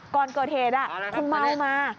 ก่อนเกิดเหตุคุณเมามา